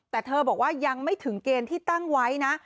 แต่เธอบอกว่ายังไม่ถึงเกณฑ์ที่ตั้งไว้นะ